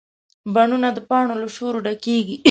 بڼونه د پاڼو له شور ډکېږي